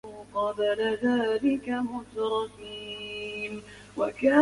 এছাড়াও দলটির অন্যতম বৈশিষ্ট্য ছিল দলের প্রধান ও ভোকাল বিপ্লবের বাহারি সাজ এবং নতুন ধাঁচের গান।